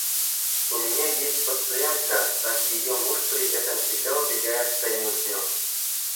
У меня есть пациентка, так ее муж при этом всегда убегает в конюшню.